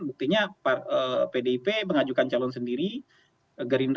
buktinya pdp mengajukan calon sendiri